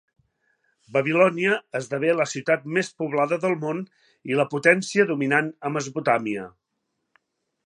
Babilònia esdevé la ciutat més poblada del món i la potència dominant a Mesopotàmia.